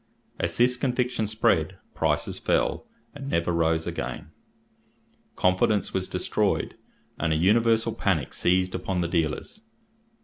As this conviction spread, prices fell, and never rose again. Confidence was destroyed, and a universal panic seized upon the dealers.